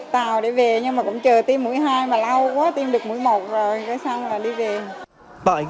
tàu để về nhưng mà cũng chờ tiêm mũi hai mà lâu quá tiêm được mũi một rồi cái xong là đi về